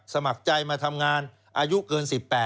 สมัครใจมาทำงานอายุเกิน๑๘